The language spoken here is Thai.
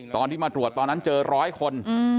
ตอนที่มาตรวจตอนนั้นเจอร้อยคน